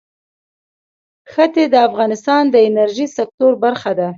ښتې د افغانستان د انرژۍ سکتور برخه ده.